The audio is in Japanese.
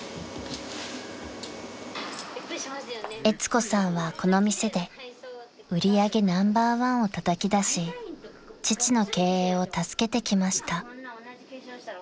［えつ子さんはこの店で売り上げナンバーワンをたたき出し父の経営を助けてきました］